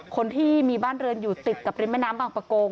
คนที่มีบ้านเรือนอยู่ติดกับริมแม่น้ำบางประกง